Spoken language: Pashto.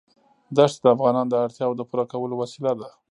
دښتې د افغانانو د اړتیاوو د پوره کولو وسیله ده.